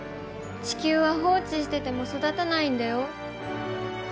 地球は放置してても育たないんだよ。